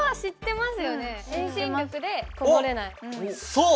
そう！